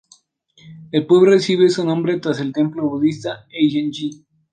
El pueblo recibe su nombre tras el templo budista de Eigen-ji.